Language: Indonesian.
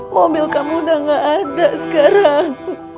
mobil kamu udah gak ada sekarang